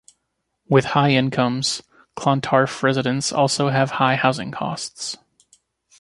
With high incomes, Clontarf residents also have high housing costs.